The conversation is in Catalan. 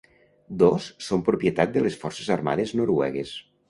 Dos són propietat de les Forces Armades noruegues.